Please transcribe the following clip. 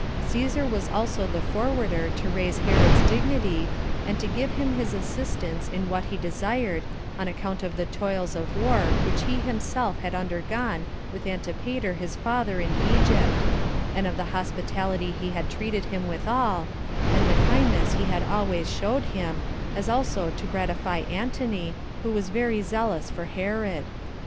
Cæsar was also the forwarder to raise Herod's dignity, and to give him his assistance in what he desired, on account of the toils of war which he had himself undergone with Antipater his father in Egypt, and of the hospitality he had treated him withal, and the kindness he had always showed him, as also to gratify Antony, who was very zealous for Herod.